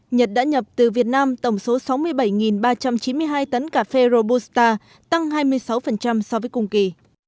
nhật đã nhập từ việt nam tổng số sáu mươi bảy ba trăm chín mươi hai tấn cà phê robusta tăng hai mươi sáu so với cùng kỳ